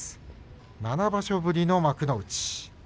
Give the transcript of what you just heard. ７場所ぶりの幕内。